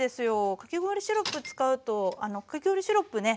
かき氷シロップ使うとかき氷シロップね